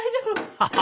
ハハハ！